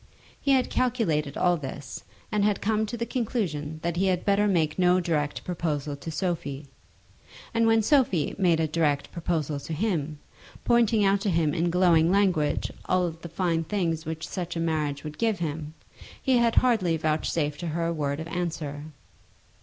He had calculated all this, and had come to the conclusion that he had better make no direct proposal to Sophie; and when Sophie made a direct proposal to him, pointing out to him in glowing language all the fine things which such a marriage would give him, he had hardly vouchsafed to her a word of answer.